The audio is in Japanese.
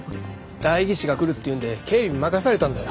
代議士が来るっていうんで警備任されたんだよ。